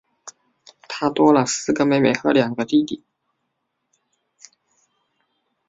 她多了四个妹妹和两个弟弟